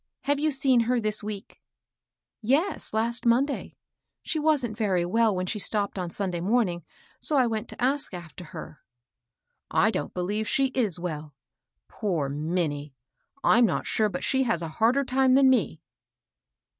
Have you seen her this week ?" 34 MABEL ROSS. " Yes, last Monday. She wasn't very well when she stopped on Sunday morning, so I went to ask after her." " I don't believe she is well. Poor Minnie 1 I'm not sure but she has a harder time than me."